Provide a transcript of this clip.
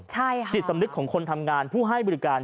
ใช่ค่ะจิตสำนึกของคนทำงานผู้ให้บริการ